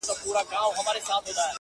چي اصول، صداقت او امانتداري خپل کړي